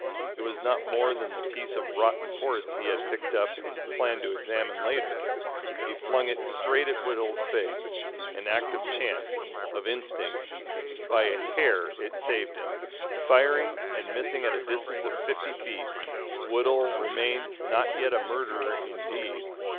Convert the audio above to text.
It was not more than the piece of rotten quartz he had picked up and planned to examine later. He flung it straight at Woodhull's face an act of chance, of instinct. By a hair it saved him. Firing and missing at a distance of fifty feet, Woodhull remained not yet a murderer in deed.